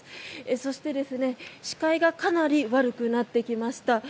そして視界がかなり悪くなってきました。